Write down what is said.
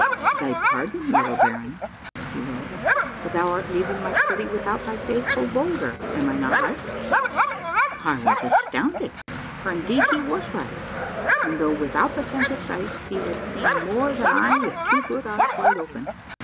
" Thy pardon, little baron," he wrote, " but thou art leaving my study without thy faithful Bulger ; am I not right?" I was astounded, for indeed he was right, and though with out the sense of sight he had seen more than I with two good eyes wide open.